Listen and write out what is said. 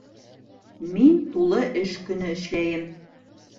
Мин тулы эш көнө эшләйем